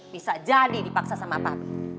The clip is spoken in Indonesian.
bisa jadi dipaksa sama apa